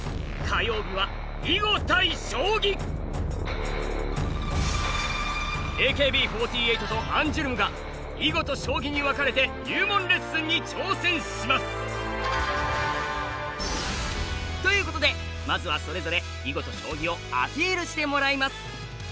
火曜日はＡＫＢ４８とアンジュルムが囲碁と将棋に分かれて入門レッスンに挑戦します！ということでまずはそれぞれ囲碁と将棋をアピールしてもらいます！